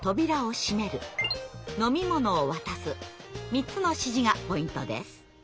３つの指示がポイントです。